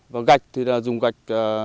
và gạch thì là dùng gạch